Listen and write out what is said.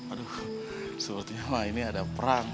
aduh sepertinya ini ada perang